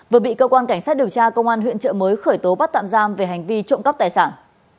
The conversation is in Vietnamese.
vừa bị cơ quan cảnh sát điều tra công an huyện trợ mới khởi tố bắt tạm giam về hành vi trộm cắp tài sản